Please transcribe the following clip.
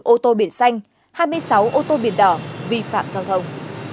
ba mươi bốn ô tô biển xanh hai mươi sáu ô tô biển đỏ vi phạm giao thông